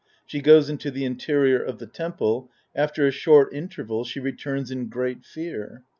[Ske goes into the interior of the temple ; after a short interval, she returns in great fear.